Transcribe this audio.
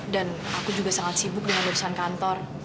dan aku juga sangat sibuk dengan urusan kantor